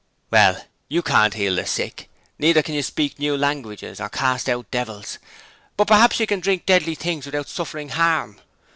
'Well, you can't heal the sick, neither can you speak new languages or cast out devils: but perhaps you can drink deadly things without suffering harm.'